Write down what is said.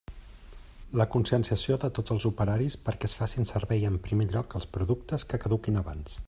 La conscienciació de tots els operaris perquè es facin servei en primer lloc els productes que caduquin abans.